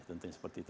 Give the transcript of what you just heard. tentunya seperti itu